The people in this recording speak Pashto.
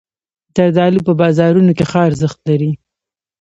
زردالو په بازارونو کې ښه ارزښت لري.